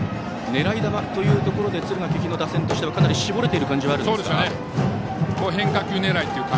狙い球というところで敦賀気比の打線としてはかなり絞れている感じはあるんでしょうか。